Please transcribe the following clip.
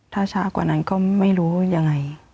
ถ้าช้ากว่านั้นก็ไม่รู้ยังไง